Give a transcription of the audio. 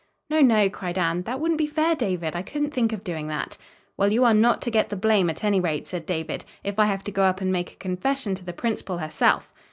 "No, no," cried Anne. "That wouldn't be fair, David. I couldn't think of doing that." "Well, you are not to get the blame, at any rate," said David, "if I have to go up and make a confession to the principal herself."